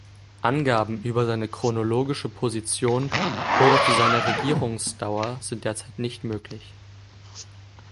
Angaben über seine chronologische Position oder zu seiner Regierungsdauer sind derzeit nicht möglich.